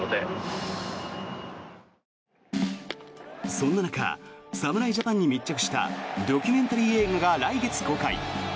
そんな中侍ジャパンに密着したドキュメンタリー映画が来月公開。